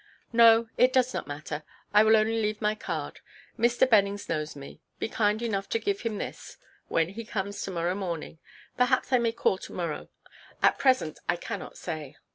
"No. It does not matter. I will only leave my card. Mr. Bennings knows me. Be kind enough to give him this, when he comes to–morrow morning. Perhaps I may call to–morrow. At present I cannot say."